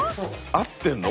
合ってんの？